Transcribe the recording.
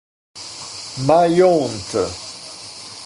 My Aunt!